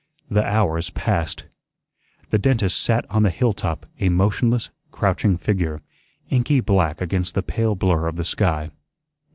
The hours passed. The dentist sat on the hilltop a motionless, crouching figure, inky black against the pale blur of the sky.